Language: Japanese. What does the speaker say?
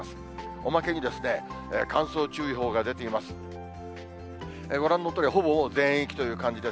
おまけに、乾燥注意報が出ています。